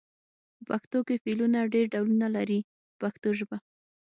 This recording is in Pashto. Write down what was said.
په پښتو کې فعلونه ډېر ډولونه لري په پښتو ژبه.